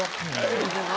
それでは。